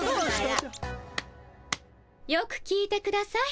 よく聞いてください。